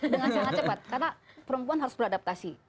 dengan sangat cepat karena perempuan harus beradaptasi